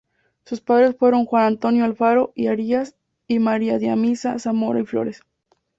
Sus padres fueron Juan Antonio Alfaro y Arias y María Damiana Zamora y Flores.